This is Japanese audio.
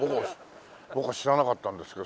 僕は知らなかったんですけど。